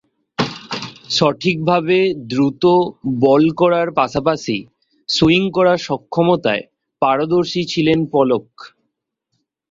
সঠিকভাবে দ্রুত বল করার পাশাপাশি সুইং করার সক্ষমতায় পারদর্শী ছিলেন পোলক।